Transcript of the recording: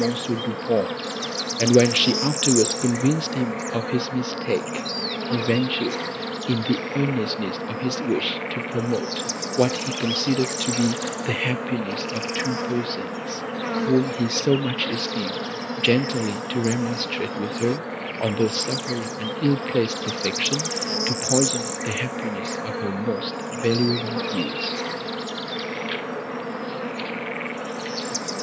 Du Pont; and, when she afterwards convinced him of his mistake, he ventured, in the earnestness of his wish to promote what he considered to be the happiness of two persons, whom he so much esteemed, gently to remonstrate with her, on thus suffering an ill placed affection to poison the happiness of her most valuable years.